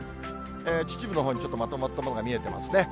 秩父のほうにちょっとまとまったものが見えてますね。